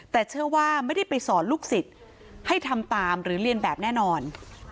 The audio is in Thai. แต่เชื่อว่าไม่ได้ไปสอนลูกศิษย์ให้ทำตามหรือเรียนแบบแน่นอน